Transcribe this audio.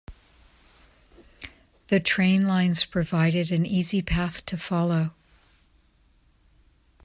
The train lines provided an easy path to follow.